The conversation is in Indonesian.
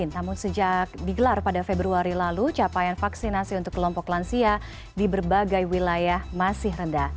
namun sejak digelar pada februari lalu capaian vaksinasi untuk kelompok lansia di berbagai wilayah masih rendah